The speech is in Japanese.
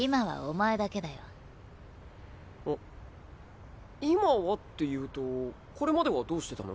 あっ「今は」っていうとこれまではどうしてたの？